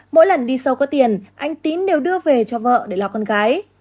mỗi lần đi sâu có tiền anh tín đều đưa về cho vợ để lo con gái